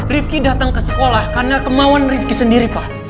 rifqi datang ke sekolah karena kemauan rifqi sendiri pak